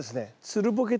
つるボケ。